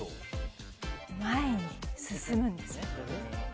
前に進むんです。